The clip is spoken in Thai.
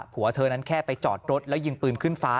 ผัวเธอนั้นแค่ไปจอดรถแล้วยิงปืนขึ้นฟ้า